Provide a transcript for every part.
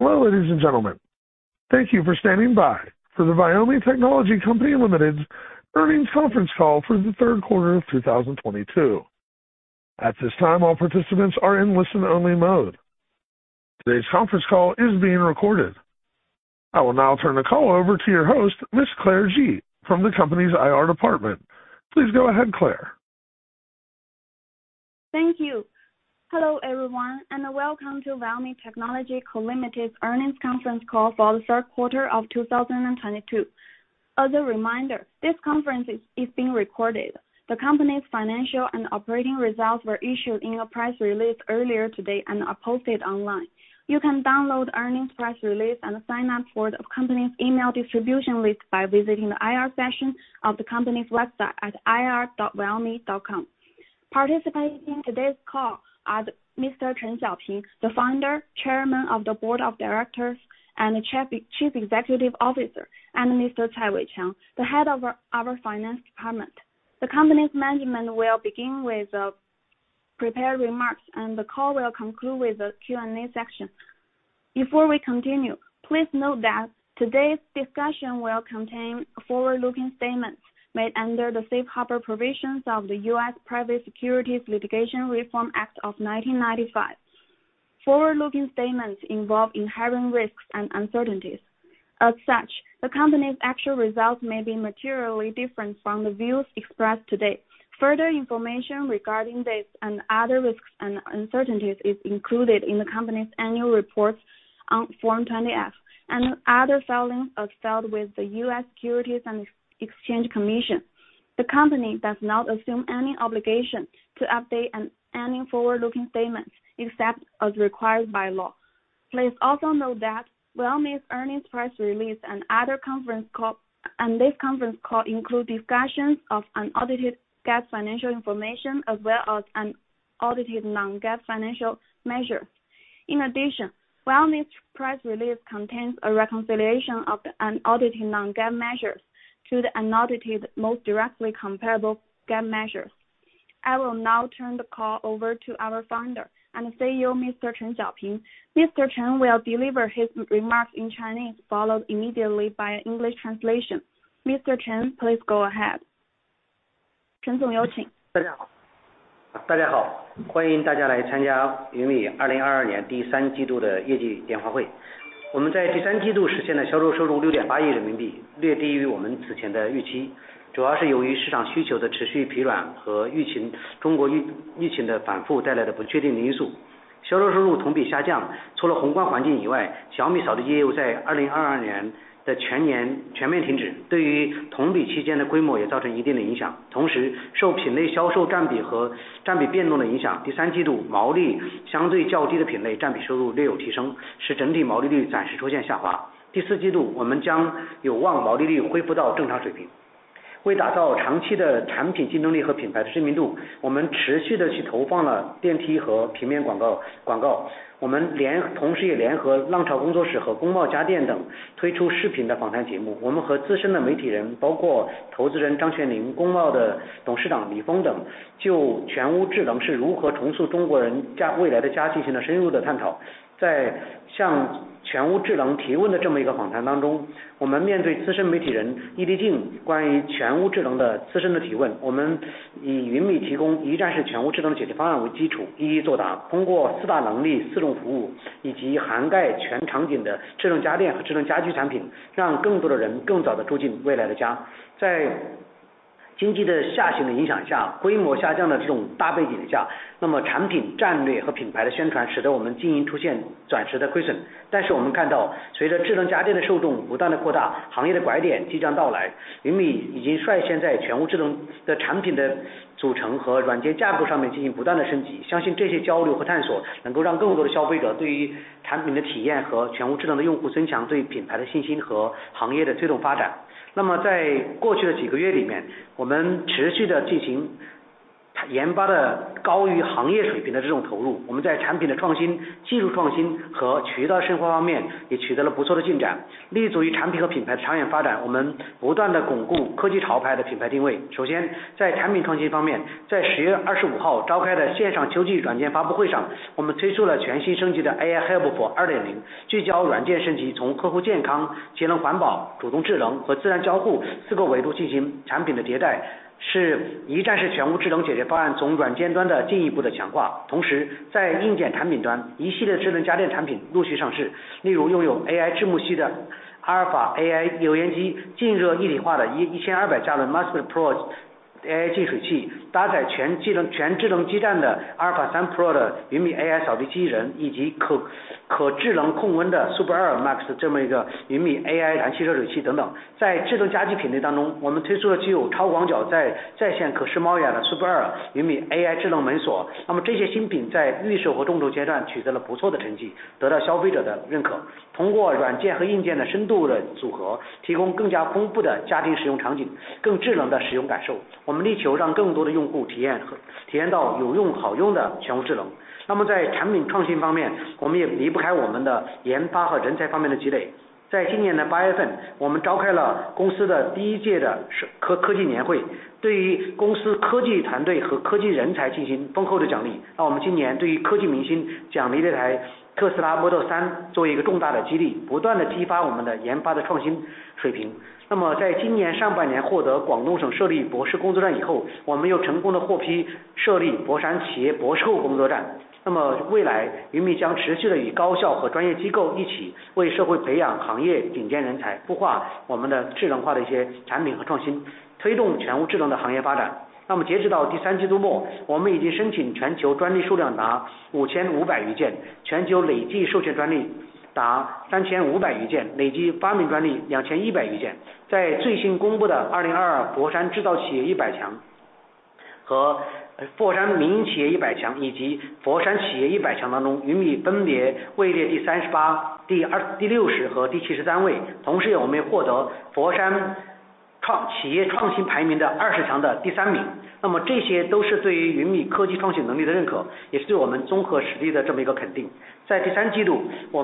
Well, ladies and gentlemen, thank you for standing by for the Viomi Technology Co., Ltd earnings conference call for the third quarter of 2022. At this time, all participants are in listen only mode. Today's conference call is being recorded. I will now turn the call over to your host, Miss Claire Ji from the company's IR department. Please go ahead, Claire. Thank you. Hello, everyone, and welcome to Viomi Technology Co., Ltd earnings conference call for the 3rd quarter of 2022. As a reminder, this conference is being recorded. The company's financial and operating results were issued in a press release earlier today and are posted online. You can download earnings, press release and sign up for the company's email distribution list by visiting the IR section of the company's website at ir.viomi.com. Participating in today's call are Mr. Chen Xiaoping, the founder, chairman of the board of directors and the chief executive officer. Mr. Cai Weiqiang, the head of our finance department. The company's management will begin with the prepared remarks, and the call will conclude with a Q&A section. Before we continue, please note that today's discussion will contain forward-looking statements made under the safe harbor provisions of the US Private Securities Litigation Reform Act of 1995. Forward-looking statements involve inherent risks and uncertainties. The company's actual results may be materially different from the views expressed today. Further information regarding this and other risks and uncertainties is included in the company's annual reports on Form 20-F and other filings as filed with the US Securities and Exchange Commission. The company does not assume any obligation to update any forward-looking statements, except as required by law. Please also note that Viomi's earnings, press release and this conference call include discussions of unaudited GAAP financial information, as well as unaudited non-GAAP financial measures. Viomi's press release contains a reconciliation of the unaudited non-GAAP measures to the unaudited most directly comparable GAAP measures. I will now turn the call over to our Founder and CEO, Mr. Chen Xiaoping. Mr. Chen will deliver his remarks in Chinese, followed immediately by an English translation. Mr. Chen, please go ahead. Chen 总， 有请。大家 好， 大家 好， 欢迎大家来参加云米2022年第三季度的业绩电话会。我们在第三季度实现了销售收入六点八亿人民 币， 略低于我们此前的预 期， 主要是由于市场需求的持续疲软和疫 情， 中国 疫， 疫情的反复带来的不确定因素。销售收入同比下降。除了宏观环境以 外， 小米扫地机在2022年的全年全面停 止， 对于同比期间的规模也造成一定的影响。同 时， 受品类销售占比和占比变动的影 响， 第三季度毛利相对较低的品类占比收入略有提 升， 使整体毛利率暂时出现下滑。第四季度我们将有望毛利率恢复到正常水平。为打造长期的产品竞争力和品牌知名 度， 我们持续地去投放了电梯和平面广 告， 广告。我们 联， 同时也联合浪潮工作室和公茂家电等推出视频的访谈节目。我们和资深的媒体 人， 包括投资人张轩宁、公茂的董事长李峰 等， 就全屋智能是如何重塑中国人 家， 未来的家进行了深入的探讨。在向全屋智能提问的这么一个访谈当 中， 我们面对资深媒体人易立竞关于全屋智能的资深的提 问， 我们以云米提供一站式全屋智能解决方案为基 础， 一一作答。通过四大能力、四种服务以及涵盖全场景的智能家电和智能家居产 品， 让更多的人更早地住进未来的家。在经济的下行的影响 下， 规模下降的这种大背景 下， 那么产品战略和品牌的宣传使得我们经营出现短时的亏损。但是我们看 到， 随着智能家电的受众不断地扩 大， 行业的拐点即将到来。云米已经率先在全屋智能的产品的组成和软件架构上面进行不断的升 级， 相信这些交流和探索能够让更多的消费者对于产品的体验和全屋智能的用户增强对品牌的信心和行业的推动发展。那么在过去的几个月里 面， 我们持续地进行研发的高于行业水平的这种投 入， 我们在产品的创新、技术创新和渠道深化方面也取得了不错的进展。立足于产品和品牌的长远发 展， 我们不断地巩固科技潮牌的品牌定位。首 先， 在产品创新方 面， 在十月二十五号召开的线上秋季软件发布会 上， 我们推出了全新升级的 AI Hub 2.0， 聚焦软件升 级， 从客户健康、节能环保、主动智能和智能交互四个维度进行产品的迭代，是一站式全屋智能解决方 案， 从软件端的进一步的强化。同时在硬件产品 端， 一系列智能家电产品陆续上 市， 例如拥有 AI 智幕系的 Alpha AI 投影 机， 静热一体化的一千二百瓦的 Master Pro AI 净水 器， 搭载全机 能， 全智能基站的 Alpha3 Pro 的云米 AI 扫地机器 人， 以及 可， 可智能控温的 Super Air Max 这么一个云米 AI 暖气热水器等等。在智能家居品类当 中， 我们推出的具有超广角 在， 在线可视猫眼的 Super Air 云米 AI 智能门锁。那么这些新品在预售和众筹阶段取得了不错的成 绩， 得到消费者的认可。通过软件和硬件的深度的组 合， 提供更加丰富的家庭使用场 景， 更智能的使用感 受， 我们力求让更多的用户体验 和， 体验到有用好用的全屋智能。那么在产品创新方 面， 我们也离不开我们的研发和人才方面的积累。在今年的八月 份， 我们召开了公司的第一届的科科技年 会， 对于公司科技团队和科技人才进行丰厚的奖励。那我们今年对于科技明星奖励了一台特斯拉 Model 3作为一个重大的激 励， 不断地激发我们的研发的创新水平。那么在今年上半年获得广东省设立博士工作站以 后， 我们又成功地获批设立佛山企业博士后工作站。那么未来云米将持续地与高校和专业机构一起为社会培养行业顶尖人 才， 孵化我们的智能化的一些产品和创 新， 推动全屋智能的行业发展。那么截止到第三季度 末， 我们已经申请全球专利数量达五千五百余 件， 全球累计授权专利达三千五百余 件， 累计发明专利两千一百余件。在最新公布的《2022 佛山制造企业一百强》和《佛山民营企业一百强》以及《佛山企业一百强》当 中， 云米分别位列第三十八、第二、第六十和第七十三位。同时我们也获得佛山创企业创新排名的二十强的第三名。那么这些都是对于云米科技创新能力的认 可， 也是对我们综合实力的这么一个肯定。在第三季 度， 我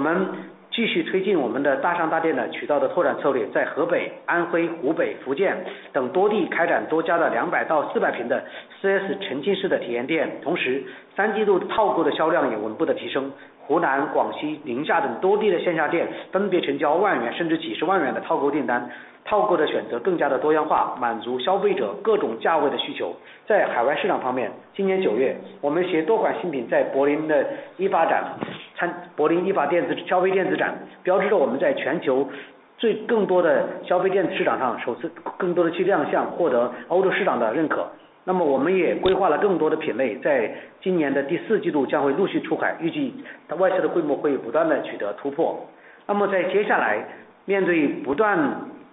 们继续推进我们的大商大店的渠道的拓展策 略， 在河北、安徽、湖北、福建等多地开展多家的两百到四百平的 4S 沉浸式的体验店。同时三季度套购的销量也稳步的提升。湖南、广西、宁夏等多地的线下店分别成交万元甚至几十万元的套购订单。套购的选择更加的多样 化， 满足消费者各种价位的需求。在海外市场方 面， 今年九 月， 我们携多款新品在柏林的一 展， 参柏林一电子消费电子 展， 标志着我们在全球最更多的消费电子市场 上， 首次更多的几项获得欧洲市场的认可。那么我们也规划了更多的品 类， 在今年的第四季度将会陆续出 海， 预计它外销的规模会不断地取得突破。那么在接下 来， 面对不断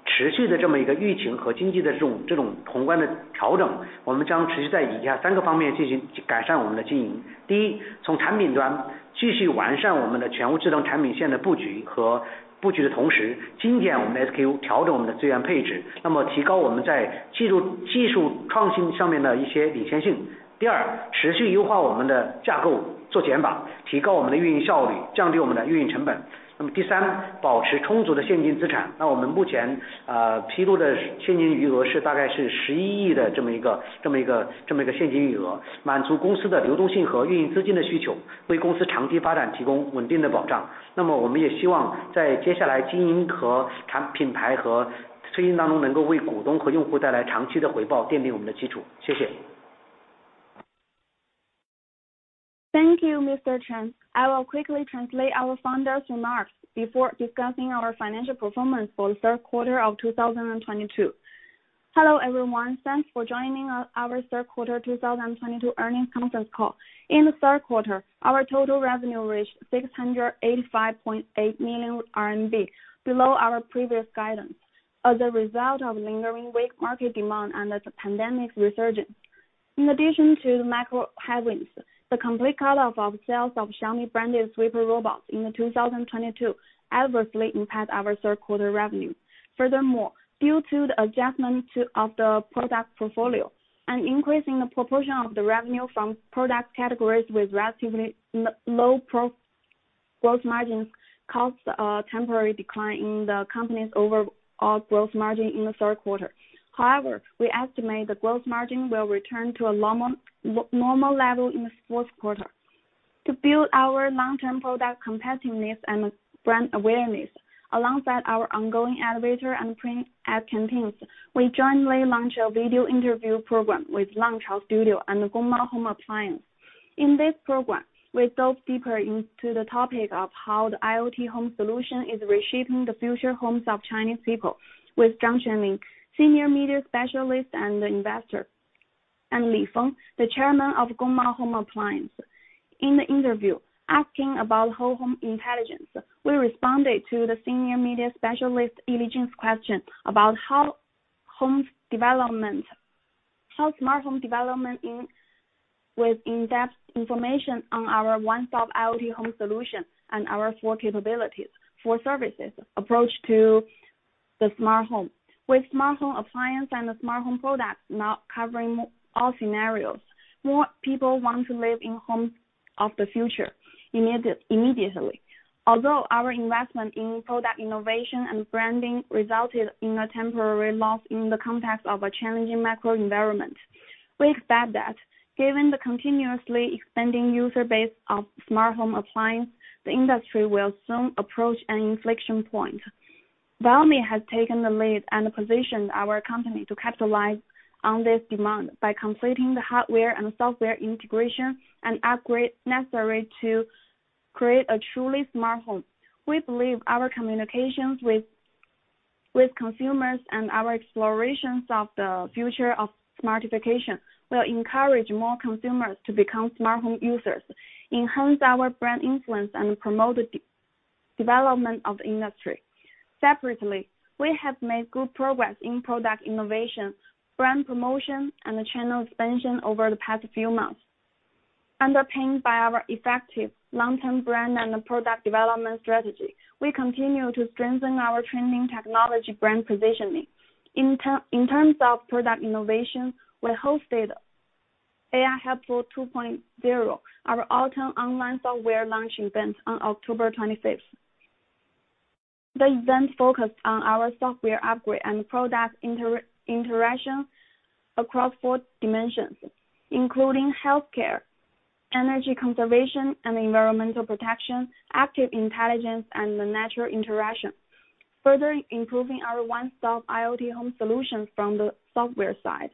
持续的这么一个疫情和经济的这 种， 这种宏观的调 整， 我们将持续在以下三个方面进行去改善我们的经营。第 一， 从产品端继续完善我们的全屋智能产品线的布局和布局的同 时， 精简我们 SKU， 调整我们的资源配 置， 那么提高我们在技 术， 技术创新上面的一些领先性。第 二， 持续优化我们的架 构， 做减 法， 提高我们的运营效 率， 降低我们的运营成本。那么第 三， 保持充足的现金资 产， 那我们目前啊披露的现金余额是大概是十一亿的这么一 个， 这么一 个， 这么一个现金余 额， 满足公司的流动性和运营资金的需 求， 为公司长期发展提供稳定的保障。那么我们也希望在接下来经营和产品牌和执行当 中， 能够为股东和用户带来长期的回 报， 奠定我们的基础。谢谢。Thank you Mr. Chen. I will quickly translate our founder's remarks before discussing our financial performance for the third quarter of 2022. Hello everyone. Thanks for joining our third quarter 2022 earnings conference call. In the third quarter, our total revenue reached 685.8 million RMB, below our previous guidance. As a result of lingering weak market demand and the pandemic's resurgence. In addition to the macro headwinds, the complete cut off of sales of Xiaomi branded sweeper robots in 2022 adversely impact our third quarter revenue. Furthermore, due to the adjustment of the product portfolio, an increase in the proportion of the revenue from product categories with relatively low gross margins caused a temporary decline in the company's overall growth margin in the third quarter. However, we estimate the growth margin will return to a normal level in the fourth quarter. To build our long-term product competitiveness and brand awareness, alongside our ongoing elevator and print ad campaigns, we jointly launched a video interview program with Wave Studio and Gome Electrical Appliances. In this program, we delved deeper into the topic of how the IoT home solution is reshaping the future homes of Chinese people. With Zhang Xuanning, Senior Media Specialist and investor, and Li Feng, the Chairman of Gome Electrical Appliances. In the interview asking about whole home intelligence, we responded to the Senior Media Specialist Yi Lijing's question about how smart home development, with in-depth information on our one-stop IoT home solution and our four capabilities, four services approach to the smart home. With smart home appliance and the smart home products now covering all scenarios, more people want to live in homes of the future immediately. Although our investment in product innovation and branding resulted in a temporary loss in the context of a challenging macro environment, we expect that given the continuously expanding user base of smart home appliance, the industry will soon approach an inflection point. Viomi has taken the lead and positioned our company to capitalize on this demand by completing the hardware and software integration and upgrades necessary to create a truly smart home. We believe our communications with consumers and our explorations of the future of smartification will encourage more consumers to become smart home users, enhance our brand influence, and promote development of the industry. Separately, we have made good progress in product innovation, brand promotion and channel expansion over the past few months. Underpinned by our effective long term brand and product development strategy, we continue to strengthen our trending technology brand positioning. In terms of product innovation, we hosted AI: Helpful 2.0, our autumn online software launch event on October 25th. The event focused on our software upgrade and product interaction across four dimensions, including healthcare, energy conservation and environmental protection, active intelligence, and the natural interaction. Further improving our one-stop IoT home solutions from the software side.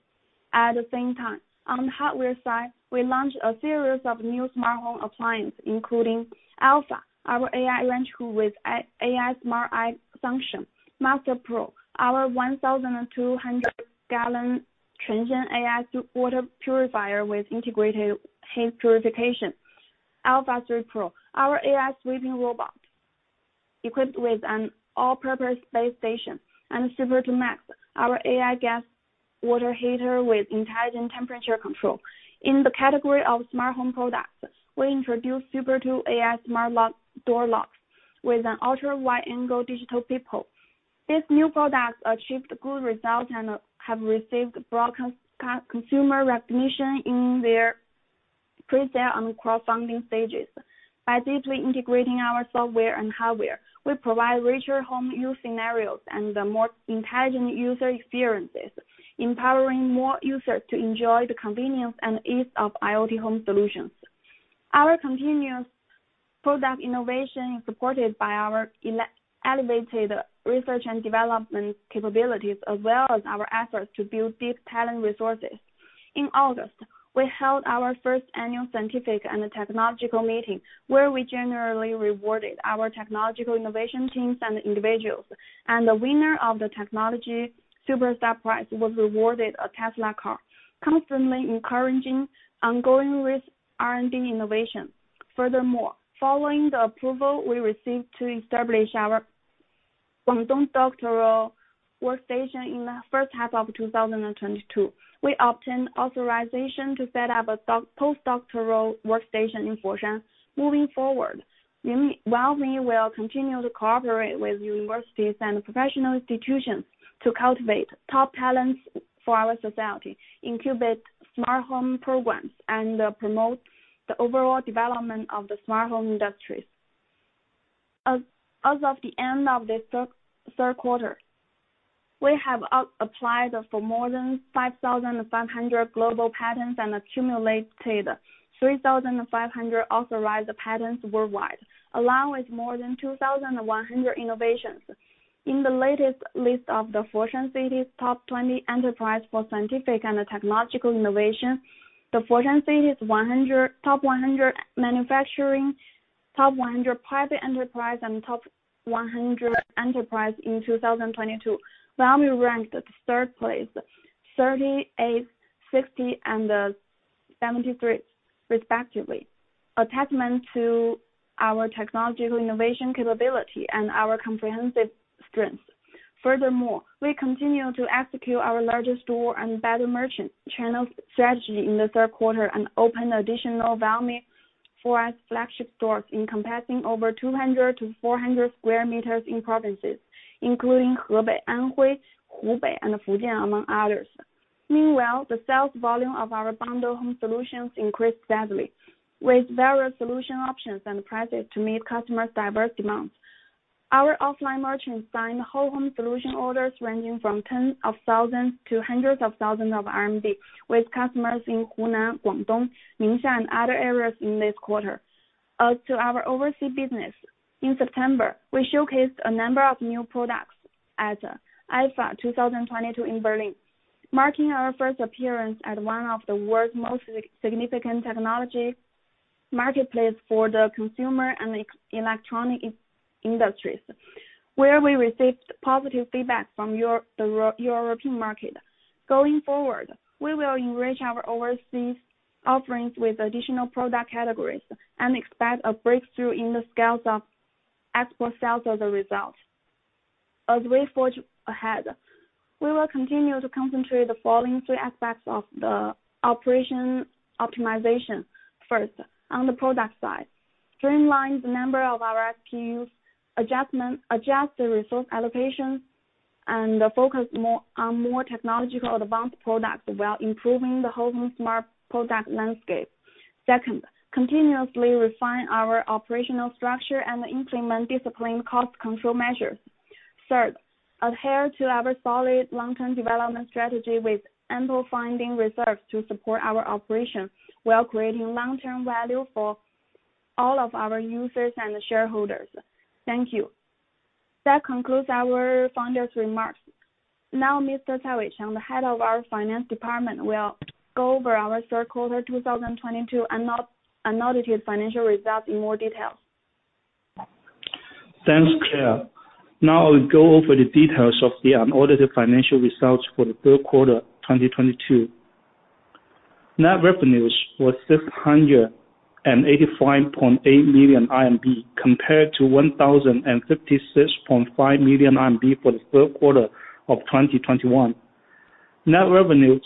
At the same time, on the hardware side, we launched a series of new smartphone appliances, including Alpha, our AI range hood with AI smart eye function. Master Pro, our 1,200 gallon transient AI water purifier with integrated heat purification. Alpha 3 Pro, our AI sweeping robot equipped with an all-purpose base station. Super 2 Max, our AI gas water heater with intelligent temperature control. In the category of smartphone products, we introduced Super 2 AI smart door lock, door locks with an ultra-wide-angle digital peephole. These new products achieved good results and have received broad consumer recognition in their pre-sale and crowdfunding stages. By deeply integrating our software and hardware, we provide richer home use scenarios and more intelligent user experiences, empowering more users to enjoy the convenience and ease of IoT home solutions. Our continuous product innovation is supported by our elevated research and development capabilities, as well as our efforts to build deep talent resources. In August, we held our first annual scientific and technological meeting, where we generally rewarded our technological innovation teams and individuals. The winner of the Technology Superstar Prize was rewarded a Tesla car, constantly encouraging ongoing with R&D innovation. Following the approval we received to establish our Guangdong Doctoral Workstation in the first half of 2022. We obtained authorization to set up a postdoctoral workstation in Foshan. Moving forward, Viomi will continue to cooperate with universities and professional institutions to cultivate top talents for our society, incubate smart home programs, and promote the overall development of the smart home industries. As of the end of the third quarter, we have applied for more than 5,500 global patents and accumulated 3,500 authorized patents worldwide, along with more than 2,100 innovations. In the latest list of the Foshan City's top 20 enterprise for scientific and technological innovation. The Foshan City's top 100 manufacturing, top 100 private enterprise, and top 100 enterprise in 2022. Viomi ranked at the third place, 38, 60, and 73, respectively. Attachment to our technological innovation capability and our comprehensive strength. We continue to execute our largest store and better merchant channel strategy in the third quarter and opened additional Viomi 4S flagship stores encompassing over 200 to 400 square meters in provinces, including Hebei, Anhui, Hubei, and Fujian, among others. The sales volume of our bundle home solutions increased steadily, with various solution options and prices to meet customers' diverse demands. Our offline merchants signed whole home solution orders ranging from tens of thousands to hundreds of thousands of RMB, with customers in Hunan, Guangdong, Ningxia, and other areas in this quarter. As to our overseas business, in September, we showcased a number of new products at IFA 2022 in Berlin, marking our first appearance at one of the world's most significant technology marketplace for the consumer and electronic industries, where we received positive feedback from the European market. We will enrich our overseas offerings with additional product categories and expect a breakthrough in the scales of export sales as a result. As we forge ahead, we will continue to concentrate the following three aspects of the operation optimization. First, on the product side, streamline the number of our SKUs, adjust the resource allocations, and focus more on technologically advanced products while improving the home smart product landscape. Second, continuously refine our operational structure and implement disciplined cost control measures. Third, adhere to our solid long-term development strategy with ample funding reserves to support our operation, while creating long-term value for all of our users and shareholders. Thank you. That concludes our founder's remarks. Mr. Cai Weiqiang, the head of our finance department, will go over our third quarter 2022 unaudited financial results in more detail. Thanks, Claire. Now I'll go over the details of the unaudited financial results for the third quarter 2022. Net revenues was 685.8 million RMB, compared to 1,056.5 million RMB for the third quarter of 2021. Net revenues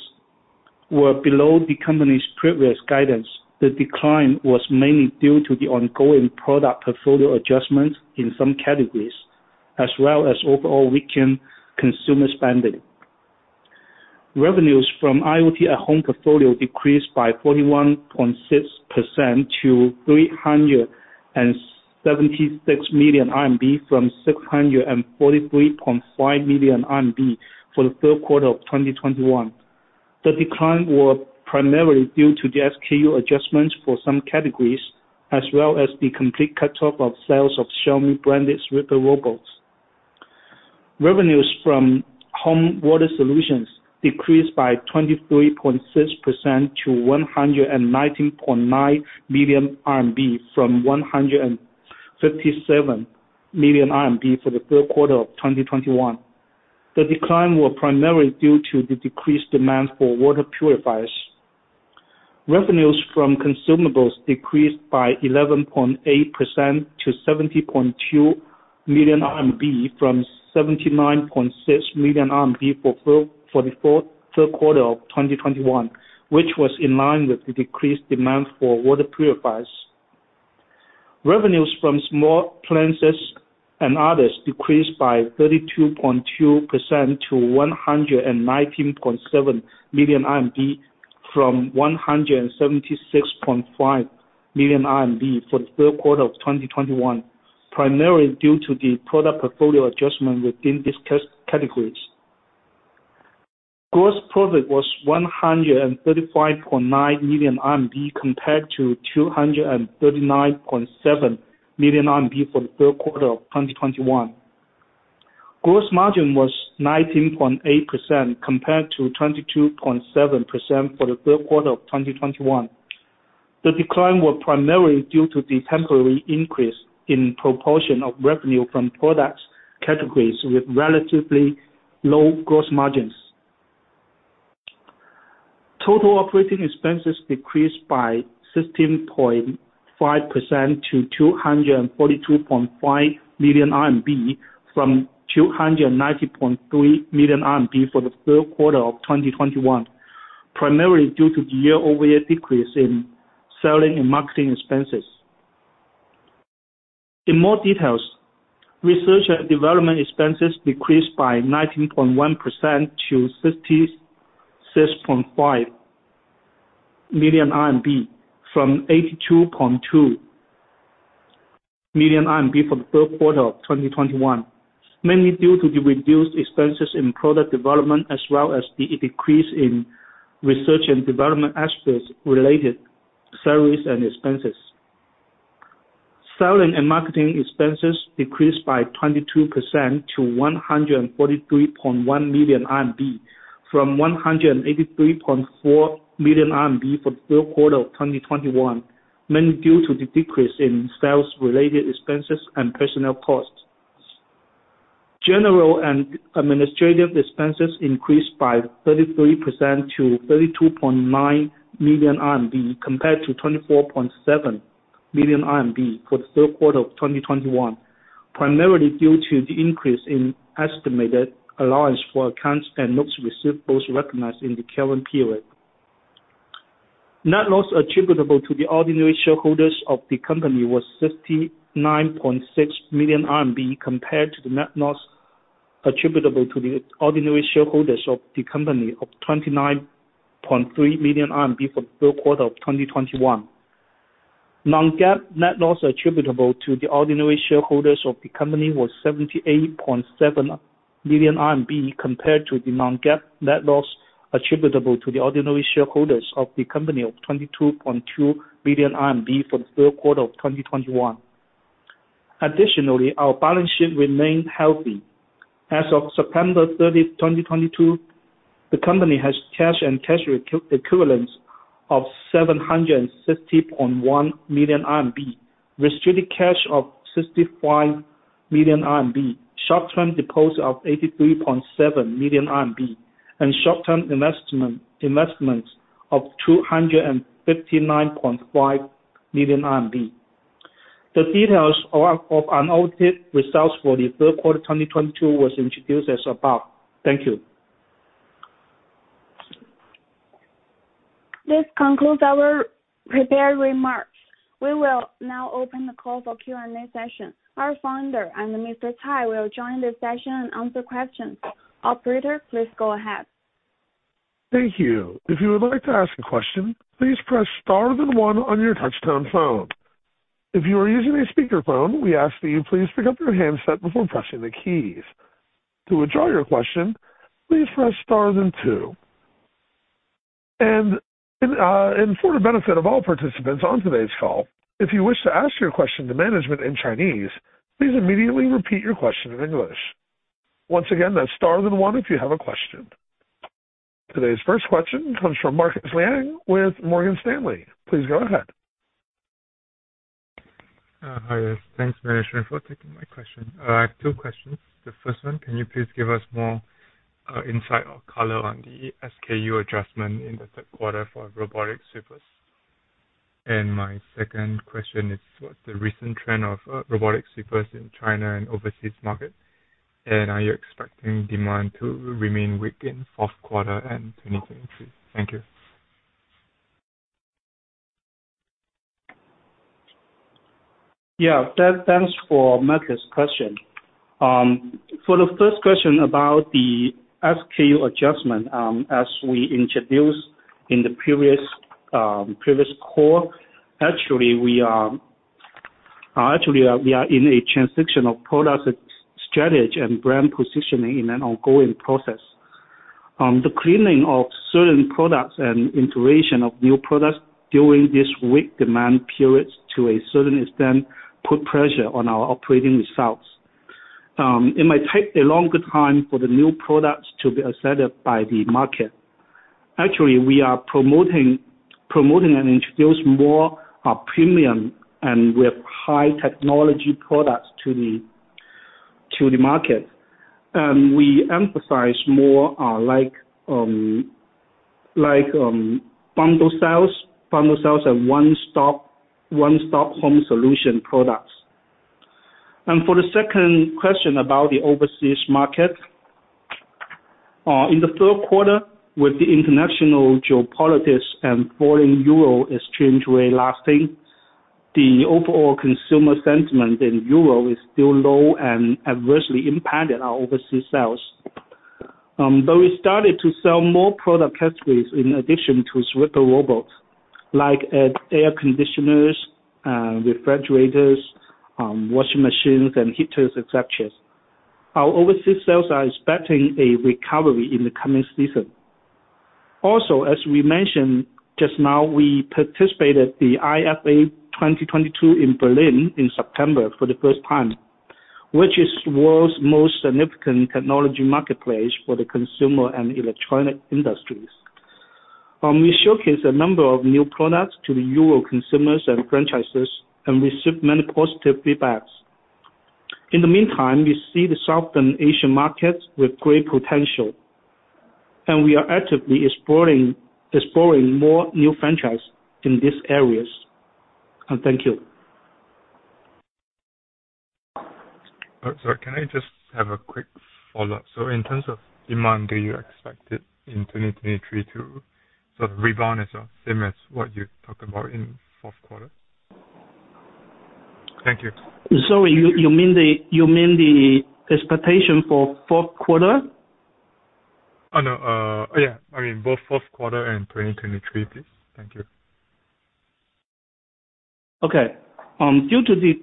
were below the company's previous guidance. The decline was mainly due to the ongoing product portfolio adjustments in some categories. Overall weakened consumer spending. Revenues from IoT At Home portfolio decreased by 41.6% to 376 million RMB from 643.5 million RMB for the third quarter of 2021. The decline were primarily due to the SKU adjustments for some categories, as well as the complete cut-off of sales of Xiaomi branded sweeper robots. Revenues from home water solutions decreased by 23.6% to 119.9 million RMB from 157 million RMB for the third quarter of 2021. The decline were primarily due to the decreased demand for water purifiers. Revenues from consumables decreased by 11.8% to 70.2 million RMB from 79.6 million RMB for the third quarter of 2021, which was in line with the decreased demand for water purifiers. Revenues from small appliances and others decreased by 32.2% to 119.7 million RMB from 176.5 million RMB for the third quarter of 2021, primarily due to the product portfolio adjustment within discussed categories. Gross profit was 135.9 million RMB compared to 239.7 million RMB for the third quarter of 2021. Gross margin was 19.8% compared to 22.7% for the third quarter of 2021. The decline were primarily due to the temporary increase in proportion of revenue from products categories with relatively low gross margins. Total operating expenses decreased by 16.5% to 242.5 million RMB from 290.3 million RMB for the third quarter of 2021, primarily due to the year-over-year decrease in selling and marketing expenses. In more details, research and development expenses decreased by 19.1% to 66.5 million RMB from 82.2 million RMB for the third quarter of 2021, mainly due to the reduced expenses in product development as well as the decrease in research and development expenses related salaries and expenses. Selling and marketing expenses decreased by 22% to 143.1 million RMB from 183.4 million RMB for the third quarter of 2021, mainly due to the decrease in sales related expenses and personnel costs. General and administrative expenses increased by 33% to 32.9 million RMB compared to 24.7 million RMB for the third quarter of 2021, primarily due to the increase in estimated allowance for accounts and notes receivables recognized in the current period. Net loss attributable to the ordinary shareholders of the company was 69.6 million RMB compared to the net loss attributable to the ordinary shareholders of the company of 29.3 million RMB for the third quarter of 2021. Non-GAAP net loss attributable to the ordinary shareholders of the company was 78.7 million RMB compared to the Non-GAAP net loss attributable to the ordinary shareholders of the company of 22.2 billion RMB for the third quarter of 2021. Our balance sheet remained healthy. As of September 30th, 2022, the company has cash and cash equivalence of 760.1 million RMB, restricted cash of 65 million RMB, short-term deposits of 83.7 million RMB, and short-term investments of 259.5 million RMB. The details of unaudited results for the third quarter 2022 was introduced as above. Thank you. This concludes our prepared remarks. We will now open the call for Q&A session. Our Founder and Mr. Cai will join the session and answer questions. Operator, please go ahead. Thank you. If you would like to ask a question, please press star then one on your touchtone phone. If you are using a speakerphone, we ask that you please pick up your handset before pressing the keys. To withdraw your question, please press star then two. For the benefit of all participants on today's call, if you wish to ask your question to management in Chinese, please immediately repeat your question in English. Once again, that's star then one if you have a question. Today's first question comes from Marcus Liang with Morgan Stanley. Please go ahead. Hi there. Thanks very much for taking my question. I have two questions. The first one, can you please give us more insight or color on the SKU adjustment in the third quarter for robotic sweepers? My second question is, what's the recent trend of robotic sweepers in China and overseas market? Are you expecting demand to remain weak in fourth quarter and 2023? Thank you. Yeah. Thanks for Matthew's question. For the first question about the SKU adjustment, as we introduced in the previous call, actually we are in a transitional product strategy and brand positioning in an ongoing process. The cleaning of certain products and iteration of new products during this weak demand periods to a certain extent put pressure on our operating results. It might take a longer time for the new products to be accepted by the market. Actually, we are promoting and introduce more premium and with high technology products to the market. We emphasize more like bundle sales. Bundle sales are one-stop home solution products. For the second question about the overseas market. In the third quarter, with the international geopolitics and foreign EUR exchange rate lasting, the overall consumer sentiment in EUR is still low and adversely impacted our overseas sales. We started to sell more product categories in addition to sweeper robots, like air conditioners, refrigerators, washing machines and heaters, et cetera. Our overseas sales are expecting a recovery in the coming season. As we mentioned just now, we participated the IFA 2022 in Berlin in September for the first time, which is world's most significant technology marketplace for the consumer and electronic industries. We showcase a number of new products to the EUR consumers and franchises and receive many positive feedbacks. In the meantime, we see the Southern Asian markets with great potential, and we are actively exploring more new franchise in these areas. Thank you. Sir, can I just have a quick follow-up? In terms of demand, do you expect it in 2023 to sort of rebound as well, same as what you talked about in fourth quarter? Thank you. Sorry, you mean the expectation for fourth quarter? Oh, no. yeah, I mean both fourth quarter and 2023, please. Thank you. Due to the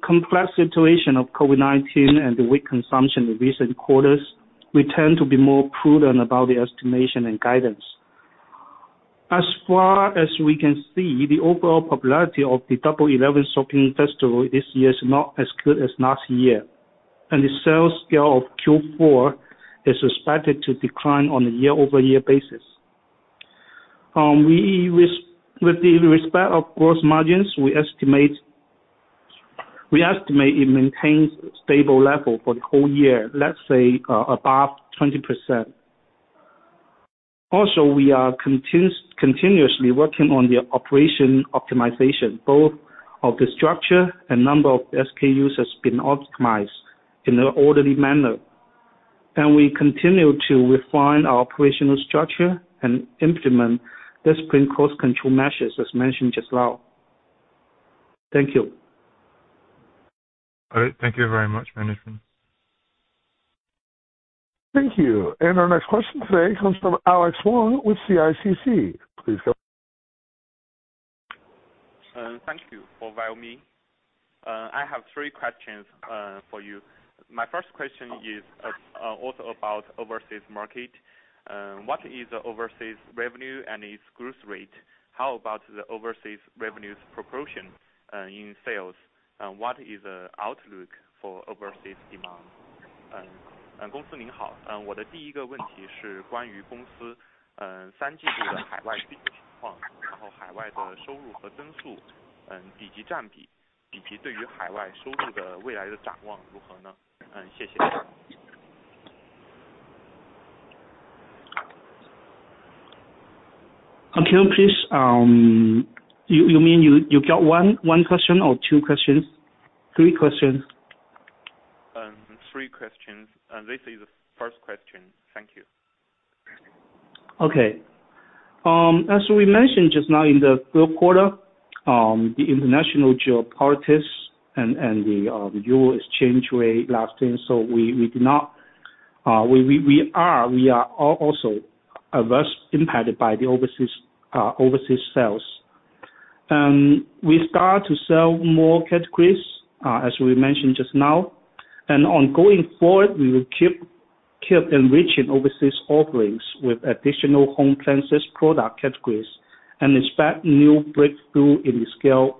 complex situation of COVID-19 and the weak consumption in recent quarters, we tend to be more prudent about the estimation and guidance. As far as we can see, the overall popularity of the Double Eleven shopping festival this year is not as good as last year, and the sales scale of Q4 is expected to decline on a year-over-year basis. With respect of gross margins, we estimate it maintains stable level for the whole year, let's say, above 20%. Also, we are continuously working on the operation optimization, both of the structure and number of SKUs has been optimized in an orderly manner. We continue to refine our operational structure and implement discipline cost control measures as mentioned just now. Thank you. All right. Thank you very much, management. Thank you. Our next question today comes from Alex Wong with CICC. Please go. Thank you for Viomi. I have three questions for you. My first question is also about overseas market. What is the overseas revenue and its growth rate? How about the overseas revenues proportion in sales? What is the outlook for overseas demand? Can you please, you mean you got one question or two questions? Three questions? Three questions, and this is the first question. Thank you. Okay. As we mentioned just now in the third quarter, the international geopolitics and the Euro exchange rate lasting, we are also adverse impacted by the overseas sales. We start to sell more categories as we mentioned just now. On going forward, we will keep enriching overseas offerings with additional home cleanses product categories and expect new breakthrough in the scale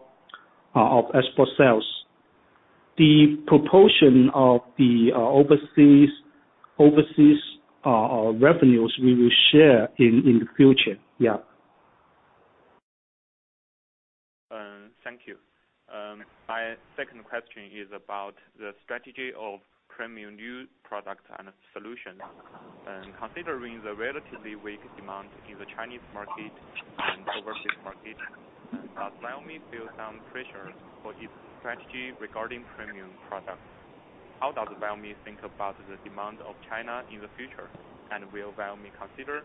of export sales. The proportion of the overseas revenues we will share in the future. Yeah. Thank you. My second question is about the strategy of premium new products and solutions. Considering the relatively weak demand in the Chinese market and overseas market, does Viomi feel some pressures for its strategy regarding premium products? How does Viomi think about the demand of China in the future? Will Viomi consider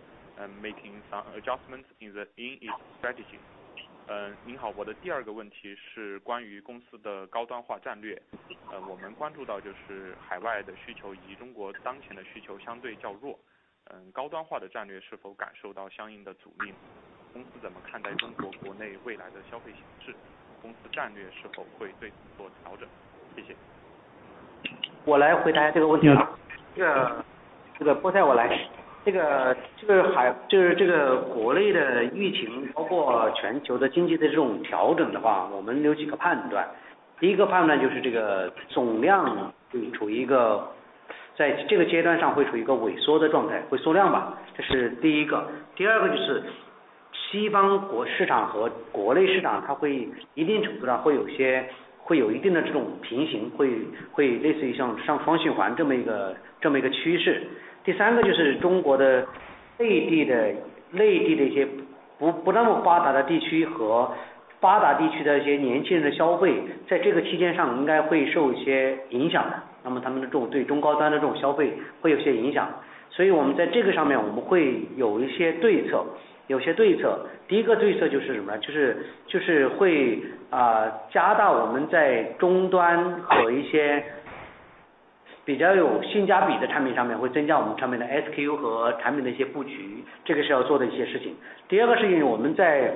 making some adjustments in its strategy? 我来回答这个问题。这个波赛我来。就是这个国内的疫 情， 包括全球的经济的这种调整的 话， 我们有几个判断。第一个判断就是这个总量 呢， 就处一个在这个阶段上会处一个萎缩的状 态， 会缩量吧。这是第一个。第二个就是西方国市场和国内市 场， 它会一定程度上会有 些， 会有一定的这种平 行， 会类似于像双循环这么一 个， 这么一个趋势。第三个就是中国的内地 的， 内地的一些不那么发达的地区和发达地区的一些年轻人的消 费， 在这个期间上应该会受一些影响 的， 那么他们的这种对中高端的这种消费会有些影响。所以我们在这个上面我们会有一些对 策， 有些对策。第一个对策就是什么 呢？ 就是会加大我们在终端和一些比较有性价比的产品上 面， 会增加我们上面的 SKU 和产品的一些布 局， 这个是要做的一些事情。第二个是因为我们在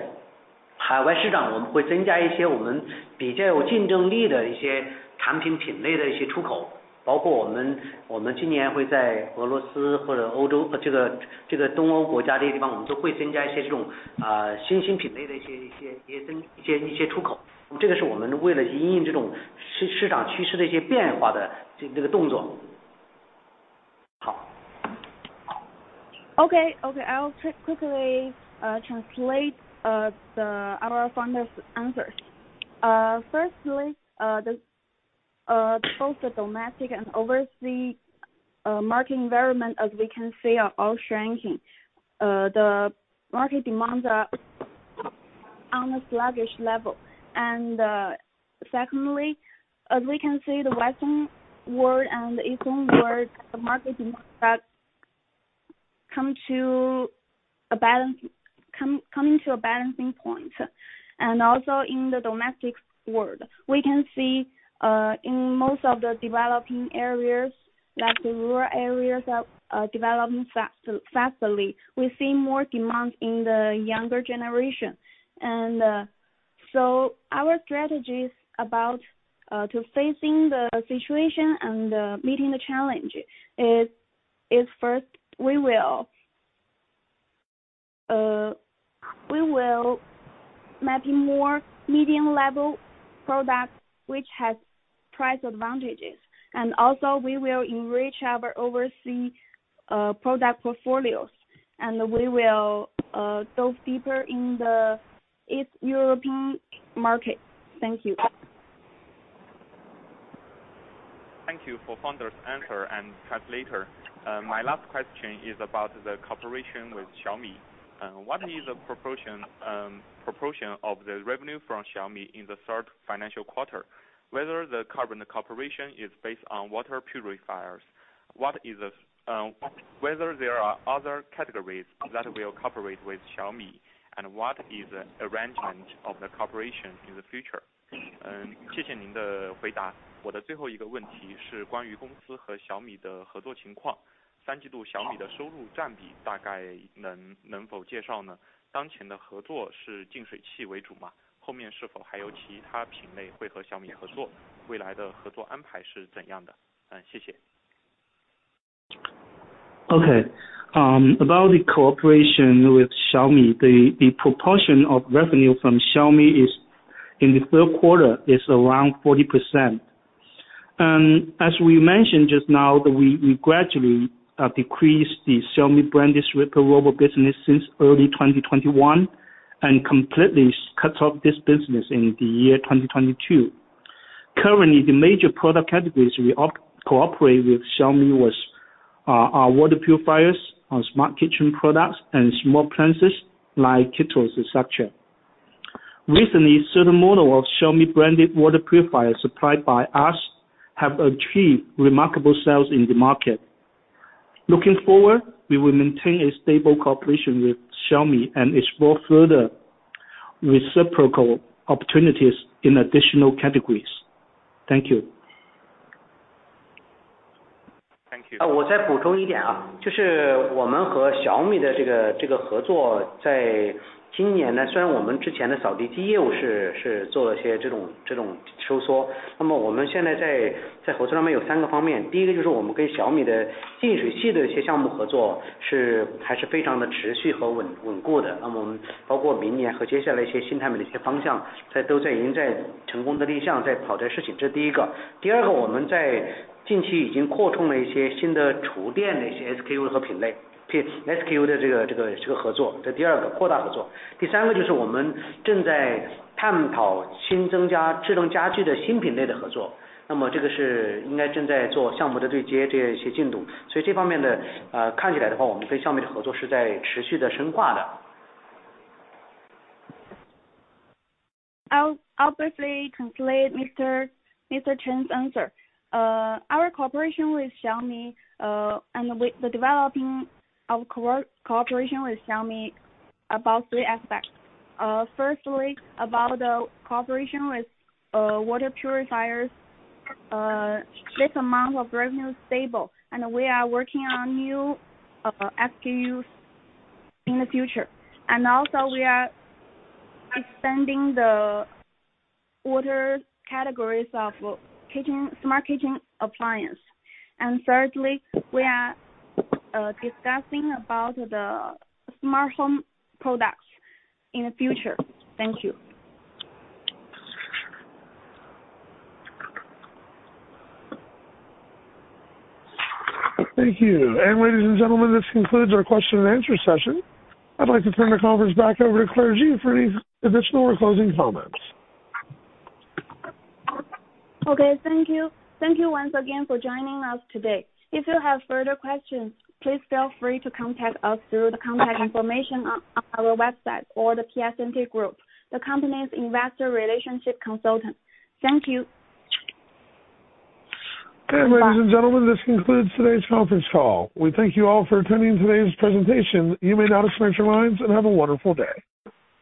海外市 场， 我们会增加一些我们比较有竞争力的一些产品品类的一些出口，包括我 们， 我们今年会在俄罗斯或者欧 洲， 这个东欧国家这些地 方， 我们都会增加一些这种新品类的一些出 口， 这个是我们为了因应这种市场趋势的一些变化的这个动作。好. OK. I'll quickly translate our founder's answers. Firstly, both the domestic and overseas market environment as we can see are all shrinking. The market demands are on a sluggish level. Secondly, as we can see, the Western world and the Eastern world, the market demands come to a balancing point. Also in the domestic world, we can see in most of the developing areas, like the rural areas are developing faster, fasterly. We see more demand in the younger generation. So our strategy is about to facing the situation and meeting the challenge is first we will mapping more medium-level products which has price advantages, and also we will enrich our overseas product portfolios, and we will dove deeper in the East European market. Thank you. Thank you for founder's answer and translator. My last question is about the cooperation with Xiaomi. What is the proportion of the revenue from Xiaomi in the third financial quarter? Whether the current cooperation is based on water purifiers, whether there are other categories that will cooperate with Xiaomi? What is the arrangement of the cooperation in the future? 谢谢您的回答。我的最后一个问题是关于公司和 Xiaomi 的合作情况。Q3 Xiaomi 的收入占比大概能否介绍 呢？ 当前的合作是净水器为主吗？后面是否还有其他品类会和 Xiaomi 合 作？ 未来的合作安排是怎样 的？ 谢谢。About the cooperation with Xiaomi, the proportion of revenue from Xiaomi in the third quarter is around 40%. As we mentioned just now that we gradually decrease the Xiaomi brand sweeper robot business since early 2021 and completely cut off this business in the year 2022. Currently, the major product categories we cooperate with Xiaomi are water purifiers, smart kitchen products and small appliances like kettles etc. Recently, certain model of Xiaomi branded water purifiers supplied by us have achieved remarkable sales in the market. Looking forward, we will maintain a stable cooperation with Xiaomi and explore further reciprocal opportunities in additional categories. Thank you. Thank you. 我再补充一 点， 就是我们和 Xiaomi 的这个合 作， 在今年 呢， 虽然我们之前的扫地机业务是做了些这种收 缩， 那么我们现在在合作上面有3个方 面： 第1个就是我们跟 Xiaomi 的净水器的一些项目合作是还是非常的持续和稳固 的， 那么我们包括明年和接下来一些新产品的一些方 向， 都在已经在成功地立 项， 在跑这事 情， 这是第1 个。第2 个， 我们在近期已经扩充了一些新的厨电的一些 SKU 的品类，譬 SKU 的这个合 作， 这第2个扩大合作。第3个就是我们正在探讨新增加智能家居的新品类的合 作， 那么这个是应该正在做项目的对接这些进度。所以这方面 的， 看起来的 话， 我们跟 Xiaomi 的合作是在持续地深化的。I'll obviously translate Mr. Chen's answer. Our cooperation with Xiaomi, and with the developing of cooperation with Xiaomi about three aspects. Firstly, about the cooperation with water purifiers. This amount of revenue is stable, and we are working on new SKUs in the future. We are expanding the order categories of kitchen, smart kitchen appliance. Thirdly, we are discussing about the smart home products in the future. Thank you. Thank you. ladies and gentlemen, this concludes our question-and-answer session. I'd like to turn the conference back over to Claire Ji for any additional or closing comments. Okay, thank you. Thank you once again for joining us today. If you have further questions, please feel free to contact us through the contact information on our website or the PSMT Group, the company's investor relationship consultant. Thank you. Okay, ladies and gentlemen, this concludes today's conference call. We thank you all for attending today's presentation. You may now disconnect your lines and have a wonderful day.